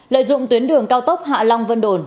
lợi dụng tuyến đường cao tốc hạ long vân đồn